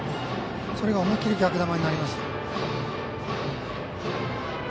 それが思い切り逆球になりました。